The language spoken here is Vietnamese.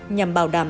nhằm bảo đảm